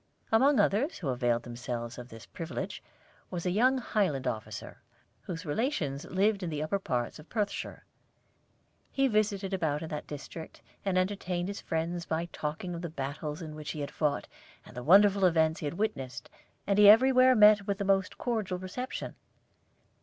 Among others who availed themselves of this privilege was a young Highland officer, whose relations lived in the upper parts of Perthshire. He visited about in that district, and entertained his friends by talking of the battles in which he had fought, and the wonderful events he had witnessed; and he everywhere met with the most cordial reception.